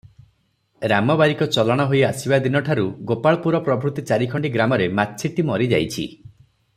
ରାମ ବାରିକ ଚଲାଣ ହୋଇ ଆସିବା ଦିନଠାରୁ ଗୋପାଳପୁର ପ୍ରଭୃତି ଚାରିଖଣ୍ଡି ଗ୍ରାମରେ ମାଛିଟି ମରି ଯାଇଛି ।